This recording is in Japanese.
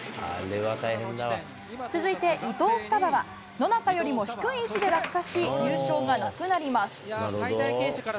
続いて伊藤ふたばは、野中よりも低い位置で落下し、優勝がなくなります。